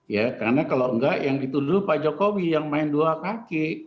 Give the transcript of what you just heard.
ya karena kalau enggak yang dituduh pak jokowi yang main dua kaki